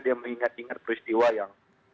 dia mengingat ingat peristiwa yang